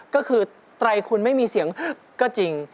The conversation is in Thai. ก็คือไตรคุณไม่มีเสียงก็จริง